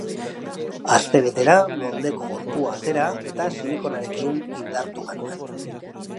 Astebetera moldeko gorpua atera eta silikonarekin indartu genuen.